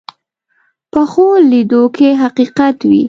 پخو لیدو کې حقیقت وي